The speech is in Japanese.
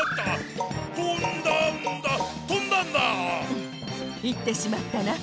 フッいってしまったな。